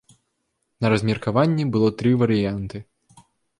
На размеркаванні было тры варыянты.